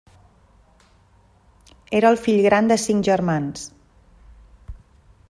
Era el fill gran de cinc germans.